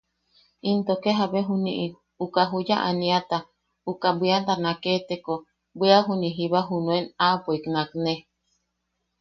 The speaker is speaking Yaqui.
Into ke jabe juni’i uka juya aniata, uka bwiata naketeko bwia juni’i jiba junuen aapoik nakne.